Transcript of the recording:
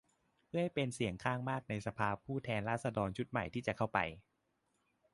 เพื่อให้เป็นเสียงข้างมากในสภาผู้แทนราษฎรชุดใหม่ที่จะเข้าไป